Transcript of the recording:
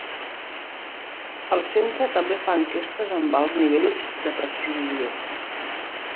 El centre també fa enquestes amb alts nivells de precisió.